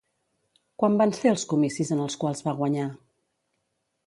Quan van ser els comicis en els quals va guanyar?